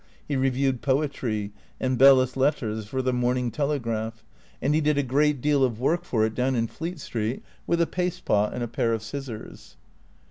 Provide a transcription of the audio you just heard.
He reviewed poetry and belles lettres for the " Morning Telegraph; " and he did a great deal of work for it down in Fleet Street with a paste pot and a pair of scissors.